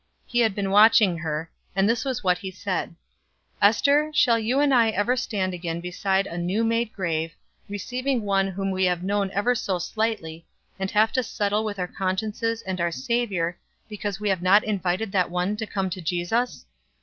He had been watching her, and this was what he said: "Ester, shall you and I ever stand again beside a new made grave, receiving one whom we have known ever so slightly, and have to settle with our consciences and our Savior, because we have not invited that one to come to Jesus?"